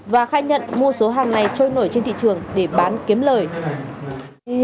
và khai nhận mua số hàng này trôi nổi trên thị trường để bán kiếm lời